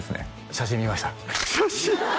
写真見ました写真？